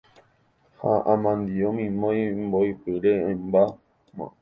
ha amandi'o mimói mbo'ipyre oĩmbáma.